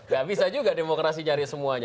gak bisa juga demokrasi nyari semuanya